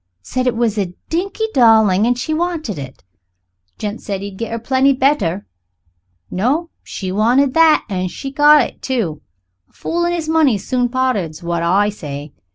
Said it was a dinky darling and she wanted it. Gent said he'd get her plenty better. No she wanted that. An' she got it too. A fool and his money's soon parted's what I say.